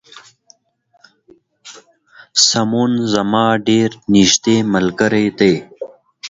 سمون زما ډیر نږدې ملګری دی